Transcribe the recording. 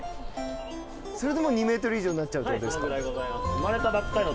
それでもう２ｍ以上になっちゃうってことですか？